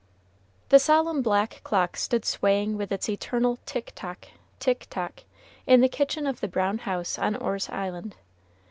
The solemn black clock stood swaying with its eternal "tick tock, tick tock," in the kitchen of the brown house on Orr's Island.